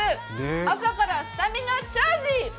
朝からスタミナチャージ。